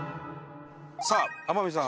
さあ天海さん